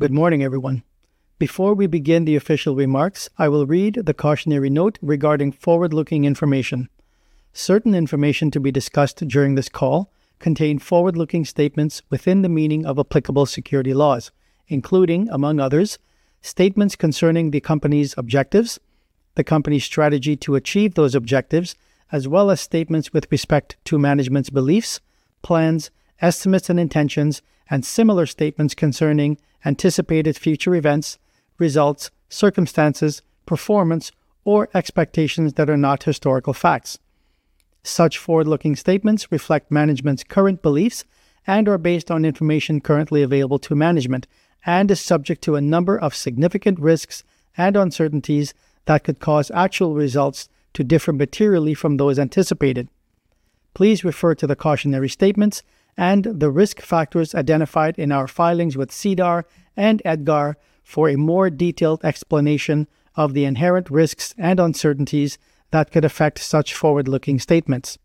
Good morning, everyone. Before we begin the official remarks, I will read the cautionary note regarding forward-looking information. Certain information to be discussed during this call contain forward-looking statements within the meaning of applicable security laws, including, among others, statements concerning the company's objectives, the company's strategy to achieve those objectives, as well as statements with respect to management's beliefs, plans, estimates and intentions, and similar statements concerning anticipated future events, results, circumstances, performance, or expectations that are not historical facts. Such forward-looking statements reflect management's current beliefs and are based on information currently available to management, and is subject to a number of significant risks and uncertainties that could cause actual results to differ materially from those anticipated. Please refer to the cautionary statements and the risk factors identified in our filings with SEDAR and EDGAR for a more detailed explanation of the inherent risks and uncertainties that could affect such forward-looking statements.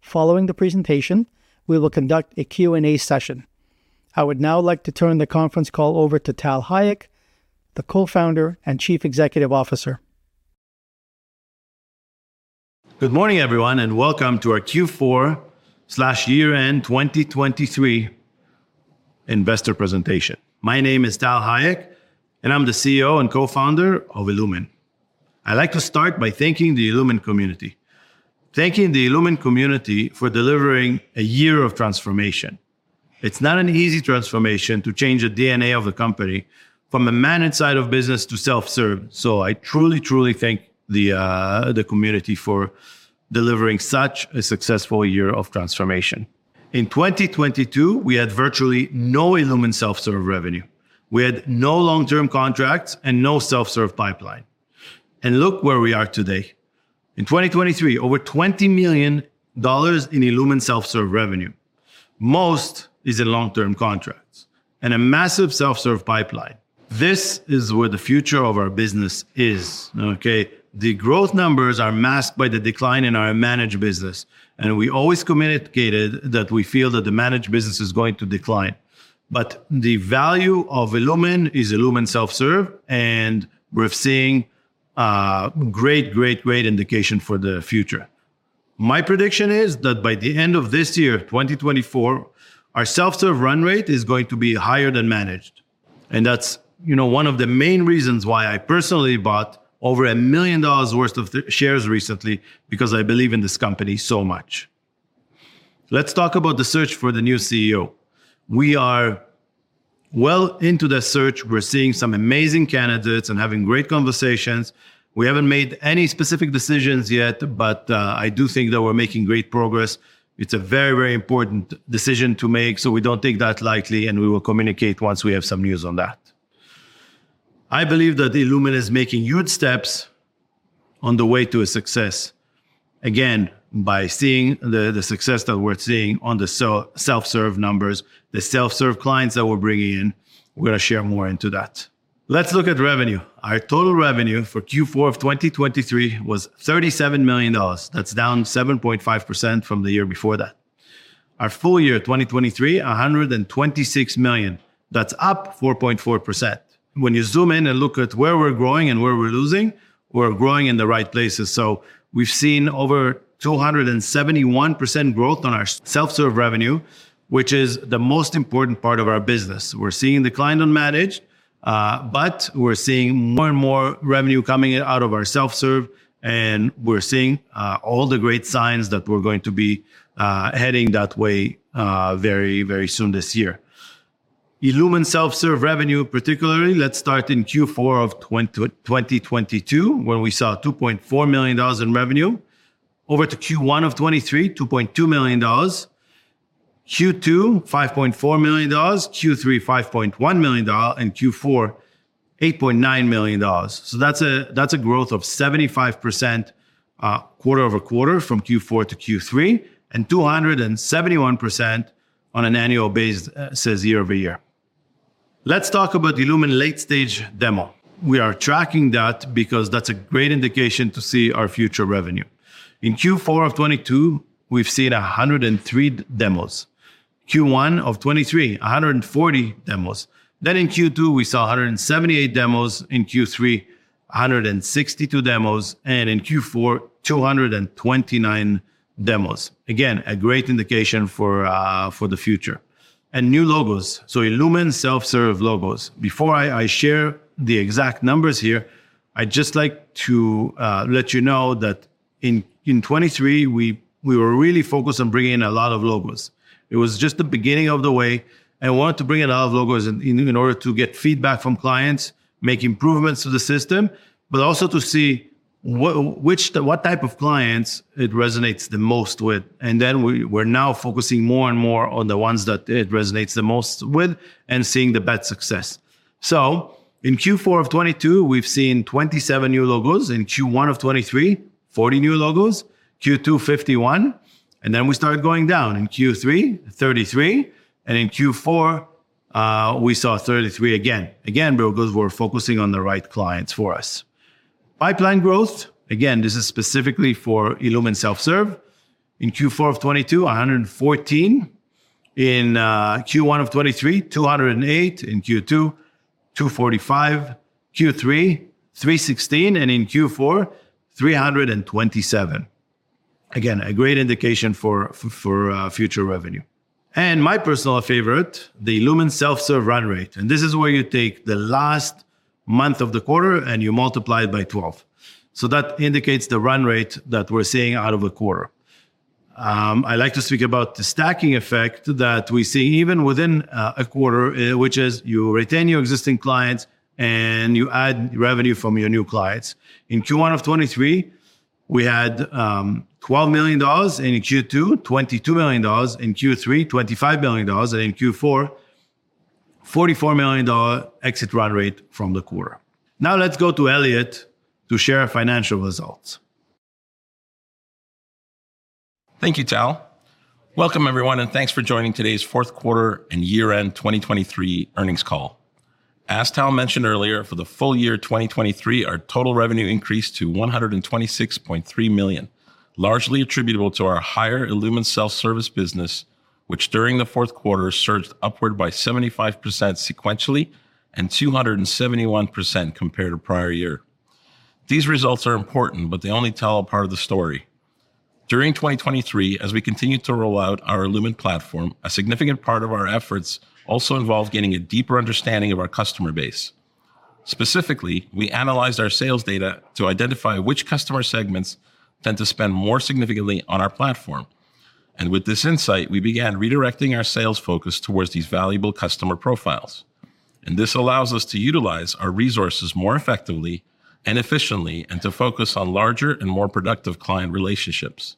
Following the presentation, we will conduct a Q&A session. I would now like to turn the conference call over to Tal Hayek, the Co-founder and Chief Executive Officer. Good morning, everyone, and welcome to our Q4/Year-End 2023 investor presentation. My name is Tal Hayek, and I'm the CEO and co-founder of illumin. I'd like to start by thanking the illumin community, thanking the illumin community for delivering a year of transformation. It's not an easy transformation to change the DNA of a company from a managed side of business to self-serve, so I truly, truly thank the, the community for delivering such a successful year of transformation. In 2022, we had virtually no illumin self-serve revenue. We had no long-term contracts and no self-serve pipeline, and look where we are today. In 2023, over $20 million in illumin self-serve revenue, most is in long-term contracts and a massive self-serve pipeline. This is where the future of our business is, okay? The growth numbers are masked by the decline in our managed business, and we always communicated that we feel that the managed business is going to decline. But the value of illumin is illumin self-serve, and we're seeing great, great, great indication for the future. My prediction is that by the end of this year, 2024, our self-serve run rate is going to be higher than managed, and that's, you know, one of the main reasons why I personally bought over $1 million worth of shares recently because I believe in this company so much. Let's talk about the search for the new CEO. We are well into the search. We're seeing some amazing candidates and having great conversations. We haven't made any specific decisions yet, but I do think that we're making great progress. It's a very, very important decision to make, so we don't take that lightly, and we will communicate once we have some news on that. I believe that illumin is making huge steps on the way to a success, again, by seeing the success that we're seeing on the self-serve numbers, the self-serve clients that we're bringing in. We're gonna share more into that. Let's look at revenue. Our total revenue for Q4 of 2023 was $37 million. That's down 7.5% from the year before that. Our full year 2023, $126 million. That's up 4.4%. When you zoom in and look at where we're growing and where we're losing, we're growing in the right places. We've seen over 271% growth on our self-serve revenue, which is the most important part of our business. We're seeing decline on managed, but we're seeing more and more revenue coming in out of our self-serve, and we're seeing all the great signs that we're going to be heading that way very, very soon this year. illumin self-serve revenue, particularly, let's start in Q4 of 2022, when we saw $2.4 million in revenue, over to Q1 of 2023, $2.2 million, Q2, $5.4 million, Q3, $5.1 million, and Q4, $8.9 million. So that's a growth of 75%, quarter-over-quarter from Q4 to Q3, and 271% on an annual basis, year-over-year. Let's talk about illumin late stage demo. We are tracking that because that's a great indication to see our future revenue. In Q4 of 2022, we've seen 103 demos. Q1 of 2023, 140 demos. Then in Q2, we saw 178 demos, in Q3, 162 demos, and in Q4, 229 demos. Again, a great indication for the future. And new logos, so illumin self-serve logos. Before I share the exact numbers here, I'd just like to let you know that in 2023, we were really focused on bringing in a lot of logos. It was just the beginning of the way, and we wanted to bring in a lot of logos in, in order to get feedback from clients, make improvements to the system, but also to see which... what type of clients it resonates the most with. And then we're now focusing more and more on the ones that it resonates the most with and seeing the best success. So in Q4 of 2022, we've seen 27 new logos, in Q1 of 2023, 40 new logos, Q2, 51, and then we started going down, in Q3, 33, and in Q4, we saw 33 again. Again, because we're focusing on the right clients for us. Pipeline growth, again, this is specifically for illumin self-serve.... in Q4 of 2022, 114. In Q1 of 2023, 208. In Q2, 245. Q3, 316, and in Q4, 327. Again, a great indication for future revenue. And my personal favorite, the illumin self-serve run rate, and this is where you take the last month of the quarter, and you multiply it by 12. So that indicates the run rate that we're seeing out of a quarter. I like to speak about the stacking effect that we see even within a quarter, which is you retain your existing clients, and you add revenue from your new clients. In Q1 of 2023, we had $12 million. In Q2, $22 million. In Q3, $25 million, and in Q4, $44 million exit run rate from the quarter. Now, let's go to Elliot to share our financial results. Thank you, Tal. Welcome, everyone, and thanks for joining today's fourth quarter and year-end 2023 earnings call. As Tal mentioned earlier, for the full year 2023, our total revenue increased to $126.3 million, largely attributable to our higher illumin self-service business, which, during the fourth quarter, surged upward by 75% sequentially and 271% compared to prior year. These results are important, but they only tell a part of the story. During 2023, as we continued to roll out our illumin platform, a significant part of our efforts also involved getting a deeper understanding of our customer base. Specifically, we analyzed our sales data to identify which customer segments tend to spend more significantly on our platform, and with this insight, we began redirecting our sales focus towards these valuable customer profiles. And this allows us to utilize our resources more effectively and efficiently and to focus on larger and more productive client relationships.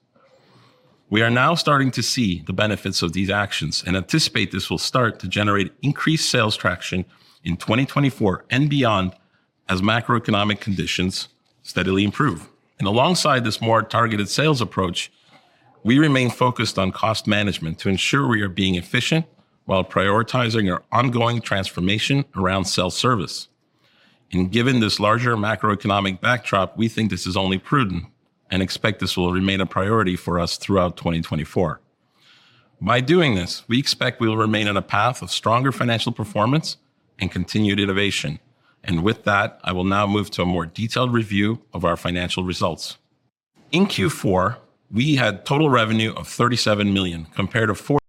We are now starting to see the benefits of these actions and anticipate this will start to generate increased sales traction in 2024 and beyond as macroeconomic conditions steadily improve. Alongside this more targeted sales approach, we remain focused on cost management to ensure we are being efficient while prioritizing our ongoing transformation around self-service. Given this larger macroeconomic backdrop, we think this is only prudent and expect this will remain a priority for us throughout 2024. By doing this, we expect we will remain on a path of stronger financial performance and continued innovation. With that, I will now move to a more detailed review of our financial results. In Q4, we had total revenue of $37 million compared to four-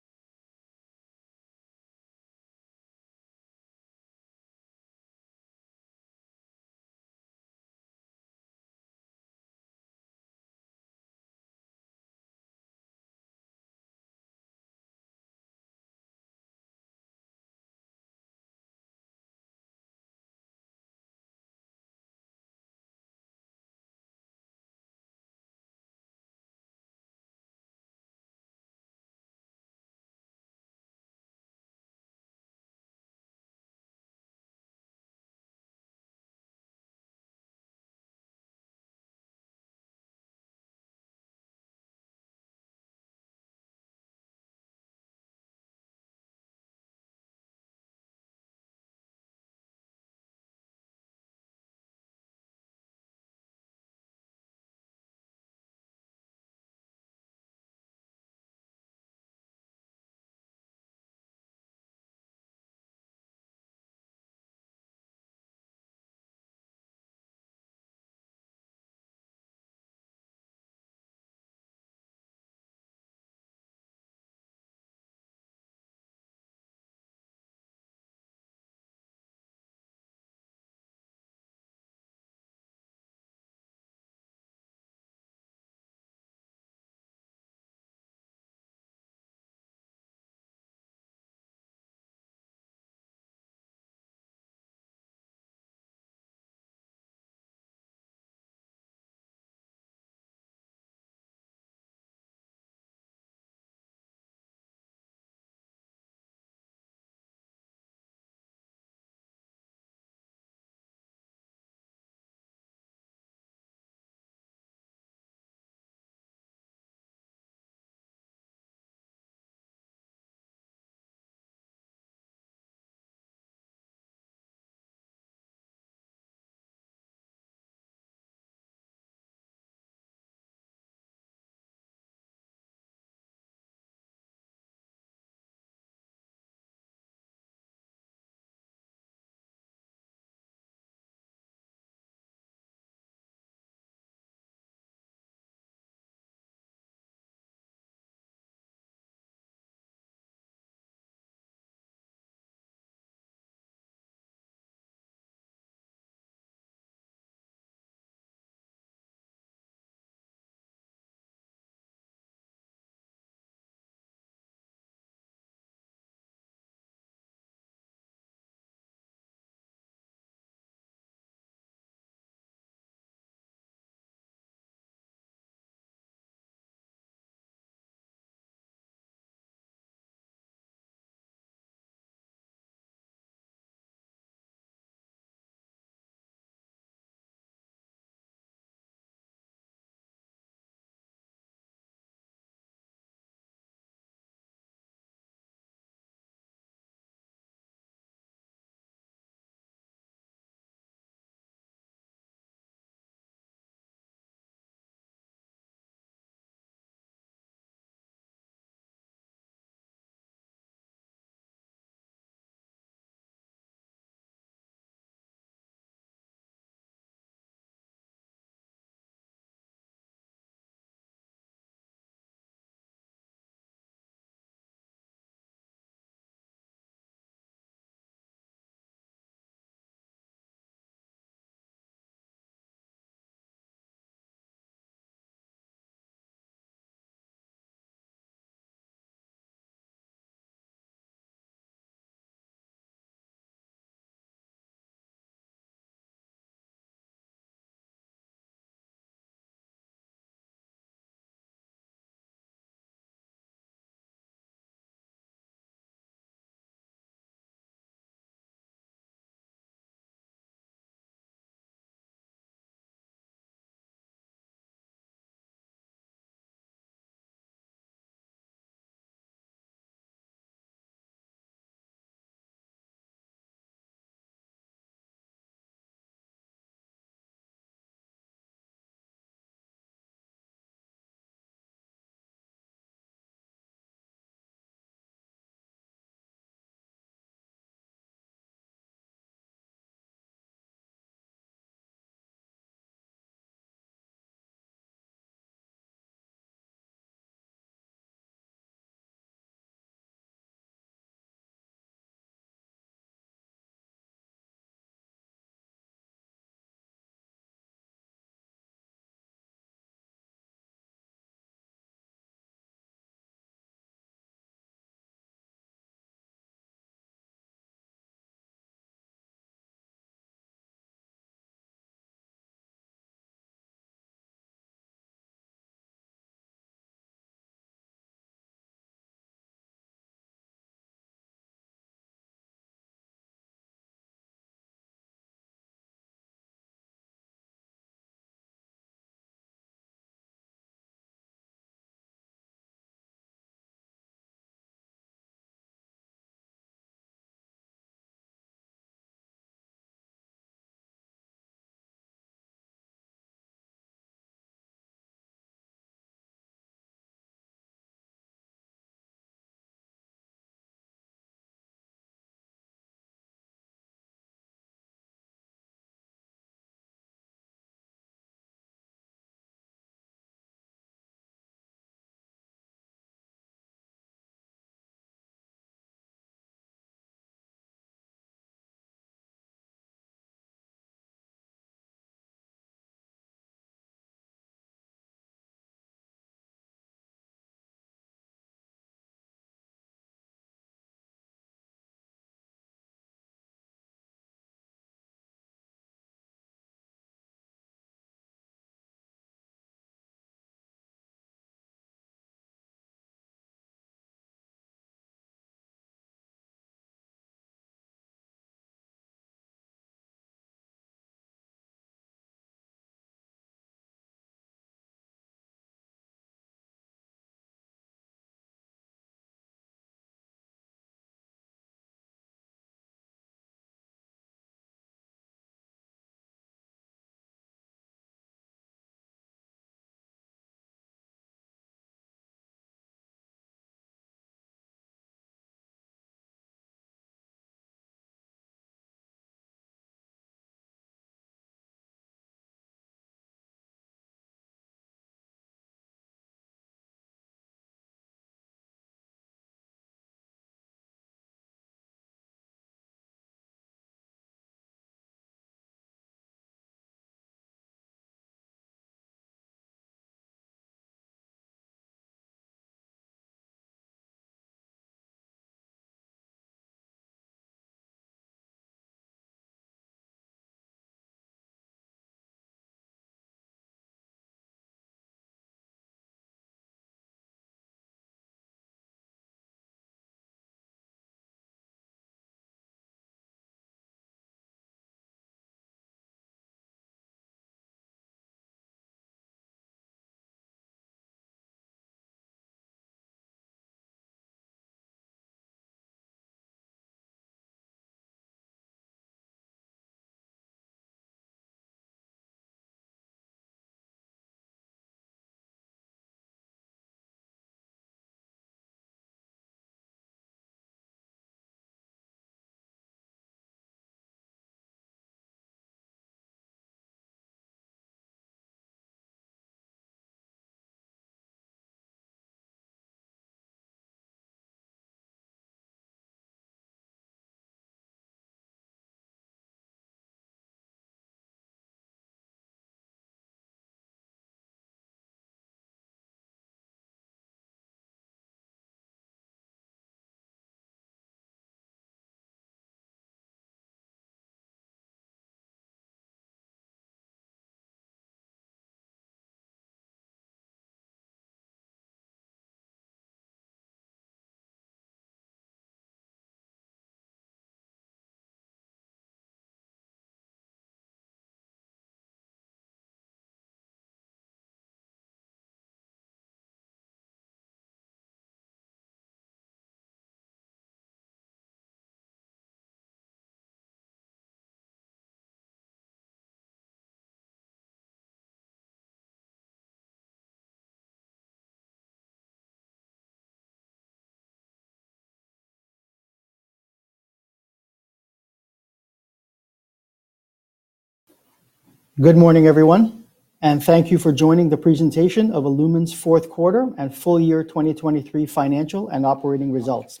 Good morning, everyone, and thank you for joining the presentation of illumin's fourth quarter and full year financial and operating results.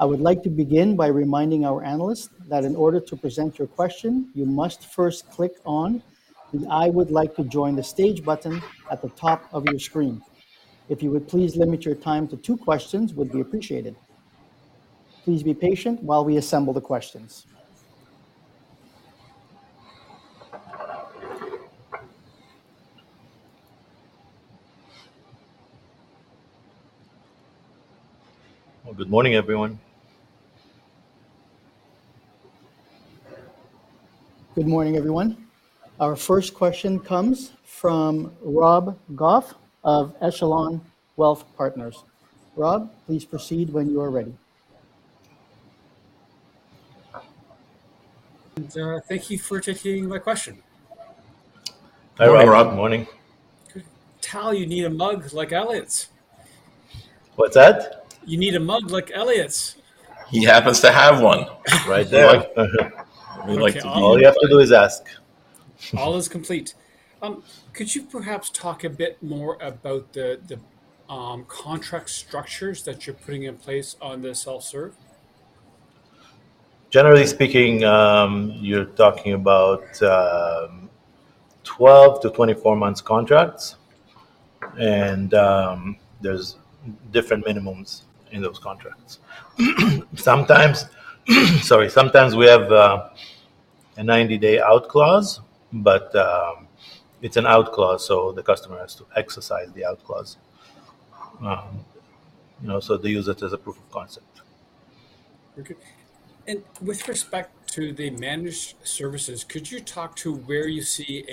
I would like to begin by reminding our analysts that in order to present your question, you must first click on the "I would like to join the stage" button at the top of your screen. If you would please limit your time to two questions, would be appreciated. Please be patient while we assemble the questions. Well, good morning, everyone. Good morning, everyone. Our first question comes from Rob Goff of Echelon Wealth Partners. Rob, please proceed when you are ready.... Thank you for taking my question. Hi, Rob. Morning. Morning. Tal, you need a mug like Elliot's. What's that? You need a mug like Elliot's. He happens to have one, right there. If you like, we like- All you have to do is ask. All is complete. Could you perhaps talk a bit more about the contract structures that you're putting in place on the self-serve? Generally speaking, you're talking about 12 to 24 months contracts, and there's different minimums in those contracts. Sometimes, sorry, sometimes we have a 90-day out clause, but it's an out clause, so the customer has to exercise the out clause. You know, so they use it as a proof of concept. Okay. And with respect to the managed services, could you talk to where you see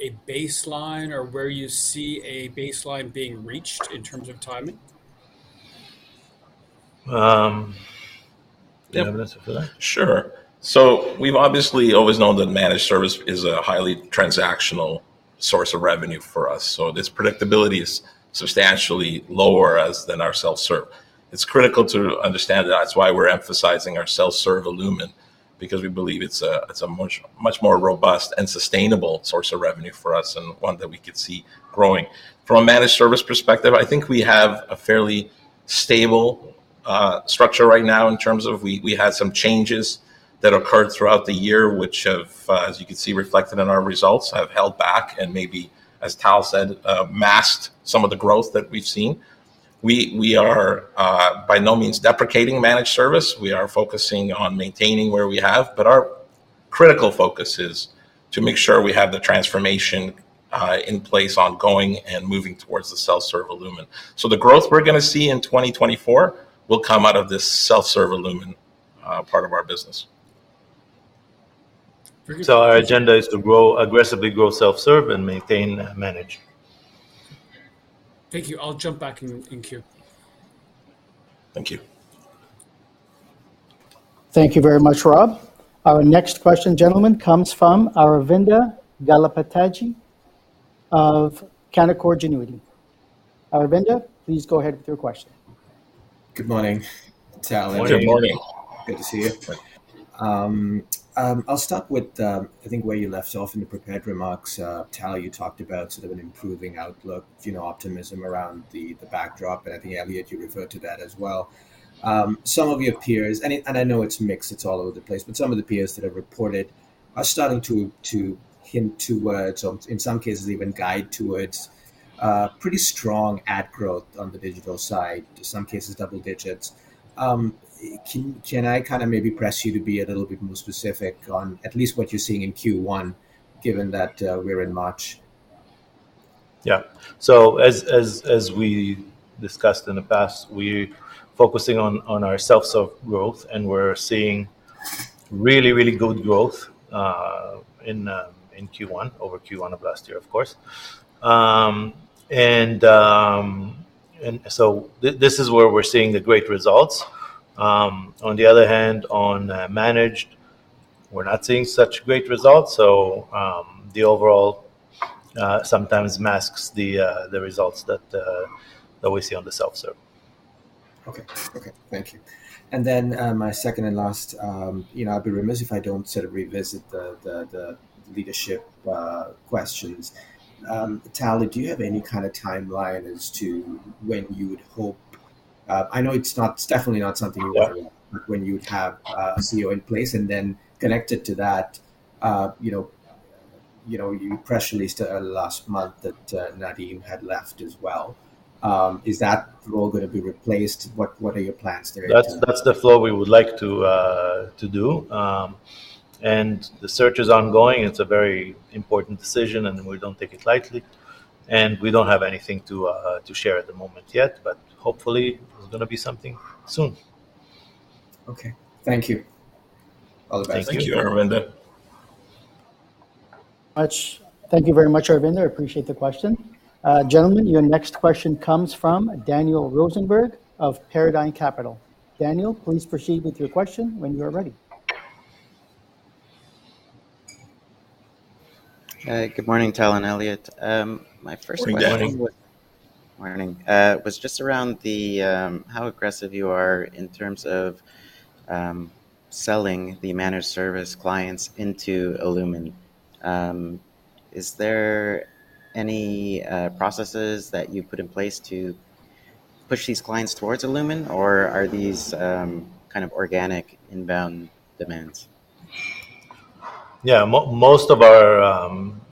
a baseline or where you see a baseline being reached in terms of timing? Um, yeah. You have an answer for that? Sure. So we've obviously always known that managed service is a highly transactional source of revenue for us, so its predictability is substantially lower than our self-serve. It's critical to understand that. That's why we're emphasizing our self-serve illumin, because we believe it's a, it's a much, much more robust and sustainable source of revenue for us, and one that we could see growing. From a managed service perspective, I think we have a fairly stable structure right now in terms of we had some changes that occurred throughout the year, which have, as you can see reflected in our results, have held back and maybe, as Tal said, masked some of the growth that we've seen. We are, by no means deprecating managed service. We are focusing on maintaining where we have, but our critical focus is to make sure we have the transformation, in place, ongoing, and moving towards the self-serve illumin. The growth we're gonna see in 2024 will come out of this self-serve illumin part of our business. Very- Our agenda is to grow, aggressively grow self-serve and maintain, manage. Thank you. I'll jump back in queue. Thank you. Thank you very much, Rob. Our next question, gentlemen, comes from Aravinda Galappatthige of Canaccord Genuity. Aravinda, please go ahead with your question. Good morning, Tal. Good morning. Good morning. Good to see you. I'll start with, I think where you left off in the prepared remarks. Tal, you talked about sort of an improving outlook, you know, optimism around the backdrop, and I think, Elliot, you referred to that as well. Some of your peers, and I know it's mixed, it's all over the place, but some of the peers that have reported are starting to hint towards, or in some cases even guide towards, pretty strong ad growth on the digital side, in some cases double digits. Can I kind of maybe press you to be a little bit more specific on at least what you're seeing in Q1, given that, we're in March? Yeah. So as we discussed in the past, we're focusing on our self-serve growth, and we're seeing really, really good growth in Q1 over Q1 of last year, of course. This is where we're seeing the great results. On the other hand, on managed, we're not seeing such great results, so the overall sometimes masks the results that we see on the self-serve. Okay. Okay, thank you. And then, my second and last, you know, I'd be remiss if I don't sort of revisit the leadership questions. Tal, do you have any kind of timeline as to when you would hope... I know it's not, it's definitely not something you want but when you'd have a CEO in place, and then connected to that, you know, you know, you press released last month that Nadeem had left as well. Is that role gonna be replaced? What are your plans there? That's, that's the flow we would like to, to do. And the search is ongoing. It's a very important decision, and we don't take it lightly, and we don't have anything to, to share at the moment yet, but hopefully there's gonna be something soon.... Okay, thank you. I'll pass it to you. Thank you, Aravinda. Much. Thank you very much, Aravinda. I appreciate the question. Gentlemen, your next question comes from Daniel Rosenberg of Paradigm Capital. Daniel, please proceed with your question when you are ready. Good morning, Tal and Elliot. My first question- Good morning. Morning. How aggressive you are in terms of selling the managed service clients into illumin. Is there any processes that you put in place to push these clients towards illumin, or are these kind of organic inbound demands? Yeah, most of our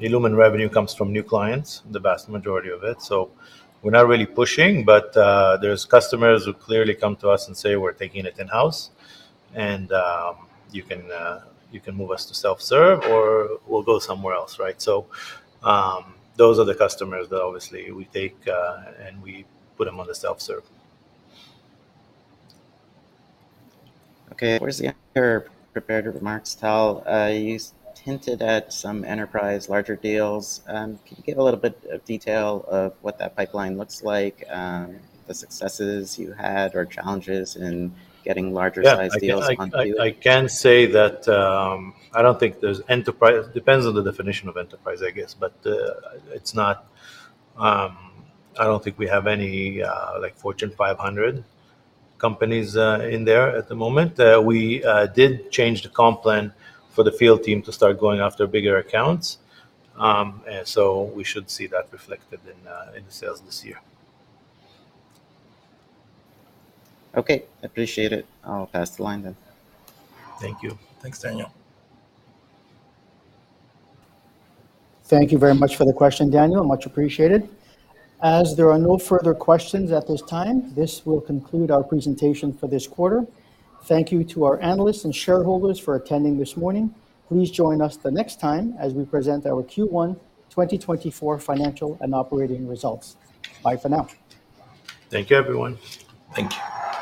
illumin revenue comes from new clients, the vast majority of it. So we're not really pushing, but there's customers who clearly come to us and say, "We're taking it in-house, and you can, you can move us to self-serve or we'll go somewhere else," right? So those are the customers that obviously we take and we put them on the self-serve. Okay. Where's the prepared remarks, Tal? You hinted at some enterprise larger deals. Can you give a little bit of detail of what that pipeline looks like, the successes you had or challenges in getting larger- Yeah -sized deals on to you? I can say that, I don't think there's enterprise. Depends on the definition of enterprise, I guess, but it's not, I don't think we have any, like Fortune 500 companies, in there at the moment. We did change the comp plan for the field team to start going after bigger accounts. And so we should see that reflected in, in the sales this year. Okay, appreciate it. I'll pass the line then. Thank you. Thanks, Daniel. Thank you very much for the question, Daniel. Much appreciated. As there are no further questions at this time, this will conclude our presentation for this quarter. Thank you to our analysts and shareholders for attending this morning. Please join us the next time as we present our Q1 2024 financial and operating results. Bye for now. Thank you, everyone. Thank you.